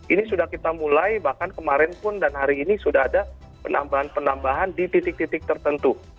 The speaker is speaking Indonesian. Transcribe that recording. ini sudah kita mulai bahkan kemarin pun dan hari ini sudah ada penambahan penambahan di titik titik tertentu